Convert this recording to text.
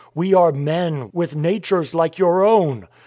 We are men, with natures like your own.